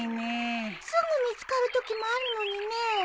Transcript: すぐ見つかるときもあるのにねえ。